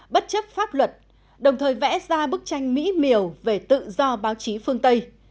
bất chấp pháp luật đồng thời vẽ ra bức tranh mỹ miều về tự do báo chí phương tây